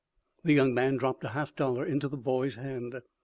The young man dropped a half dollar into the boy's hand.